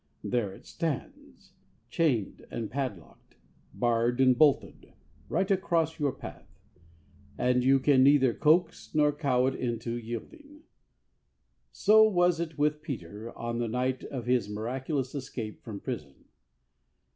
There it stands chained and padlocked, barred and bolted right across your path, and you can neither coax nor cow it into yielding. So was it with Peter on the night of his miraculous escape from prison.